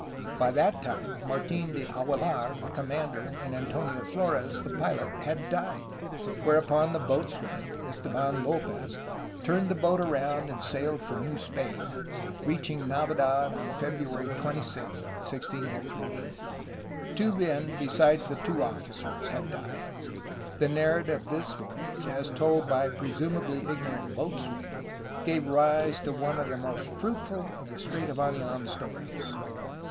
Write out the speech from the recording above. By that time Martin de Aguilar, the commander, and Antonio Flores, the pilot, had died, whereupon the boat swain, Esteban L6pez, turned the boat around and sailed for New Spain, reaching Navidad on February 26, 1603. Two men besides the two officers had died. The narrative of this voyage, as told by the presumably ignorant boatswain, gave rise to one of the most fruitful of the Strait of Anidn stories.